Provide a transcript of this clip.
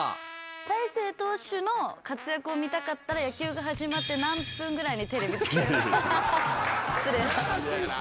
大勢投手の活躍を見たかったら、野球が始まって、何分ぐらいにテレビつければ？